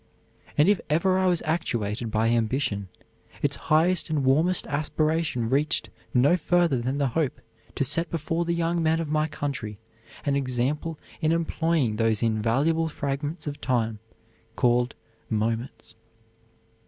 And if ever I was actuated by ambition, its highest and warmest aspiration reached no further than the hope to set before the young men of my country an example in employing those invaluable fragments of time called moments."